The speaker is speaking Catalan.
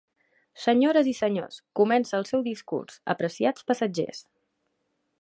Senyores i senyors, comença el seu discurs, apreciats passatgers.